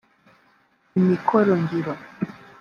imikorongiro